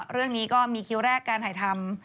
เรื่องนี้ก็มีคิวแรกการถ่ายทำ